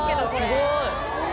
すごい！